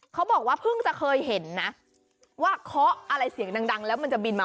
เขาบอกว่าเพิ่งจะเคยเห็นนะว่าเคาะอะไรเสียงดังแล้วมันจะบินมา